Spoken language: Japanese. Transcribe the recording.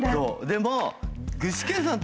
でも。